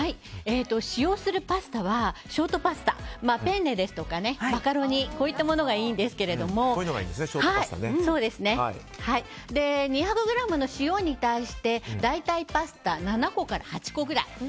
使用するパスタはショートパスタペンネですとかマカロニといったものがいいんですけれども２００ｇの塩に対して大体パスタ７個から８個くらい。